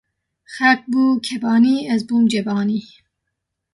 Xelk bû kebanî, ez bûm cebanî